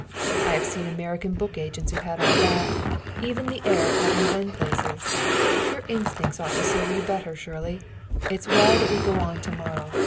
I have seen American book agents who had all that even the air of having been places! Your instincts ought to serve you better, Shirley. It's well that we go on to morrow.